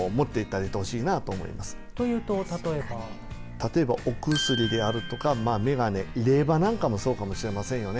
例えばお薬であるとかメガネ入れ歯なんかもそうかもしれませんよね。